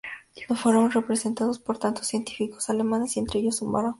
Le fueron presentados, por tanto, científicos alemanes y entre ellos, un barón.